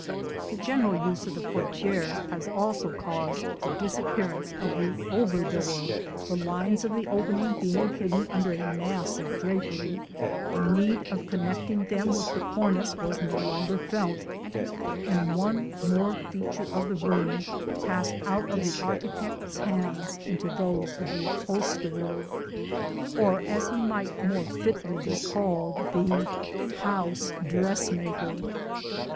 The general use of the portière has also caused the disappearance of the over door. The lines of the opening being hidden under a mass of drapery, the need of connecting them with the cornice was no longer felt, and one more feature of the room passed out of the architect's hands into those of the upholsterer, or, as he might more fitly be called, the house dressmaker.